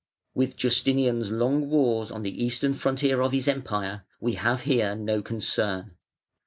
_ With Justinian's long wars on the Eastern frontier of his Empire we have here no concern.